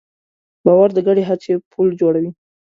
باور د ګډې هڅې پُل جوړوي.